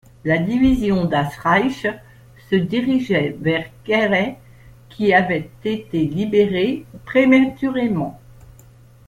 La division Das Reich se dirigeait vers Guéret qui avait été libéré prématurément.